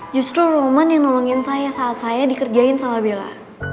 justru roman yang nolongin saya saat saya dikerjain sama bella